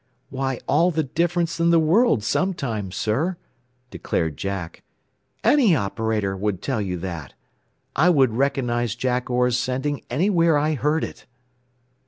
"Why, all the difference in the world, sometimes, sir," declared Jack. "Any operator would tell you that. I would recognize Jack Orr's sending anywhere I heard it."